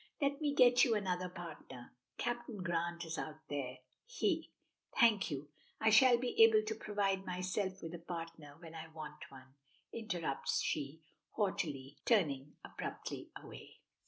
Let me get you another partner. Captain Grant is out there, he " "Thank you. I shall be able to provide myself with a partner when I want one," interrupts she, haughtily, turning abruptly away.